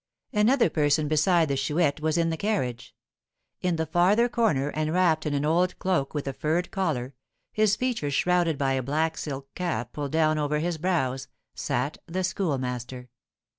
Another person beside the Chouette was in the carriage. In the farther corner, and wrapped in an old cloak with a furred collar, his features shrouded by a black silk cap pulled down over his brows, sat the Schoolmaster.